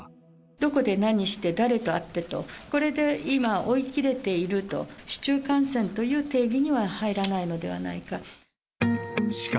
どこで何して誰と会ってと、これで今、追いきれていると、市中感染という定義には入らないのではないか。